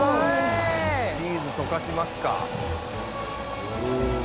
「チーズ溶かしますか」